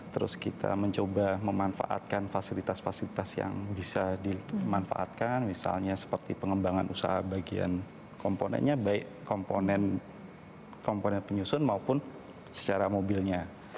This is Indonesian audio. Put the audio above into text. terus kita mencoba memanfaatkan fasilitas fasilitas yang bisa dimanfaatkan misalnya seperti pengembangan usaha bagian komponennya baik komponen penyusun maupun secara mobilnya